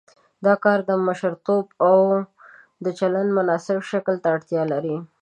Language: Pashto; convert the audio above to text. دا کار د مشرتوب او د چلند مناسب شکل ته اړتیا لري.